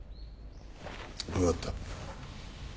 分かった。